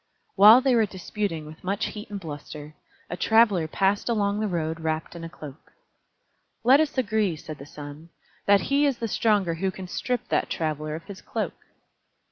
While they were disputing with much heat and bluster, a Traveler passed along the road wrapped in a cloak. "Let us agree," said the Sun, "that he is the stronger who can strip that Traveler of his cloak."